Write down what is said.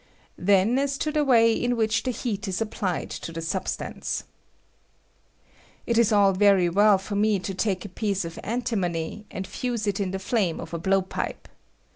Then as to the way in which the heat is ap plied to the substance. It is all very well for me to take a piece of antimony, and fuse it iu the flame of a blowpipe.